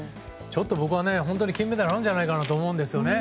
ちょっと僕は、金メダルあるんじゃないかと思います。